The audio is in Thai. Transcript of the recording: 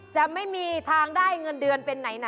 จะไม่มีทางได้เงินเดือนเป็นไหนนะ